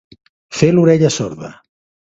Fer l'orella sorda.